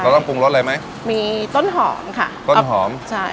ต้องปรุงรสอะไรไหมมีต้นหอมค่ะต้นหอมใช่